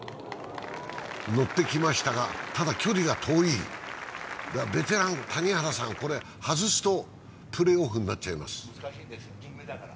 乗ってきましたが、ただ距離が遠いベテラン・谷原さん、外すとプレーオフになっちゃいます。